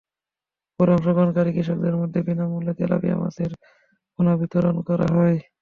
পরে অংশগ্রহণকারী কৃষকদের মধ্যে বিনা মূল্যে তেলাপিয়া মাছের পোনা বিতরণ করা হয়।